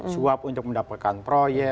swap untuk mendapatkan proyek